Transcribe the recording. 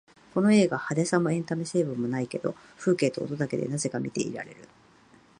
この映画、派手さもエンタメ成分もないけど風景と音だけでなぜか見ていられる